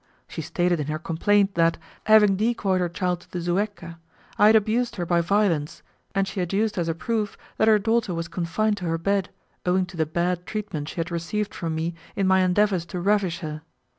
She stated in her complaint that, having decoyed her child to the Zuecca, I had abused her by violence, and she adduced as a proof that her daughter was confined to her bed, owing to the bad treatment she had received from me in my endeavours to ravish her.